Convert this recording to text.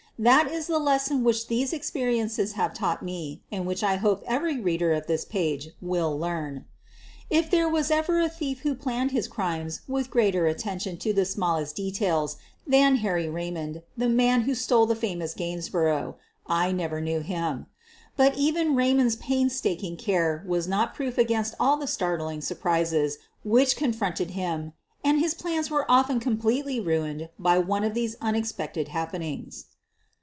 That is the lesson which these experiences have taught me and which I hope every reader of this page will learn. If there was ever a thief who planned his crimes with greater attention to the smallest details than Harry Eaymond, the man who stole the famous Gainsborough, I never knew him. But even Raymond's painstaking care was not proof against all the startling surprises which con fronted him and his plans were often completely ruined by one of these unexpected happenings.